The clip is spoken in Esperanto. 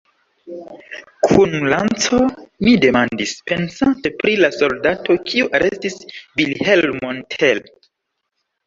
Kun lanco? mi demandis, pensante pri la soldato, kiu arestis Vilhelmon Tell.